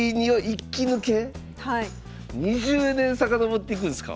２０年遡っていくんすか？